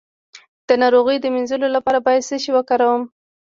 د ناروغۍ د مینځلو لپاره باید څه شی وکاروم؟